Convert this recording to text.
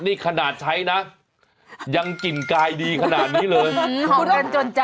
นี่ขนาดใช้นะยังกลิ่นกายดีขนาดนี้เลยห่อมกันจนใจ